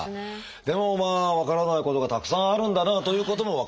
でもまあ分からないことがたくさんあるんだなということも分かりました。